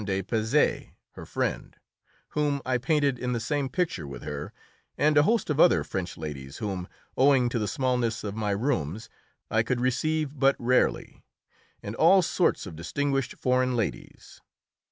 de Pezé, her friend, whom I painted in the same picture with her, and a host of other French ladies, whom, owing to the smallness of my rooms, I could receive but rarely, and all sorts of distinguished foreign ladies.